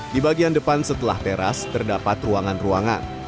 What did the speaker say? di bagian depan setelah teras terdapat ruangan ruangan